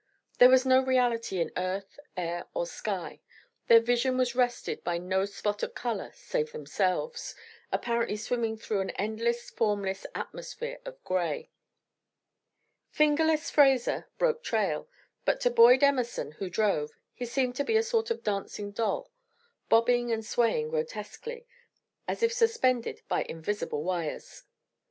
There was no reality in earth, air, or sky. Their vision was rested by no spot of color save themselves, apparently swimming through an endless, formless atmosphere of gray. "Fingerless" Fraser broke trail, but to Boyd Emerson, who drove, he seemed to be a sort of dancing doll, bobbing and swaying grotesquely, as if suspended by invisible wires.